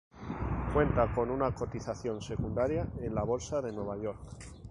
Cuenta con una cotización secundaria en la Bolsa de Nueva York.